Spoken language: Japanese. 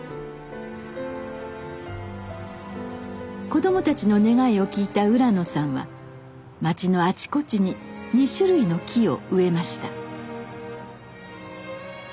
子供たちの願いを聞いた浦野さんは町のあちこちに２種類の木を植えました。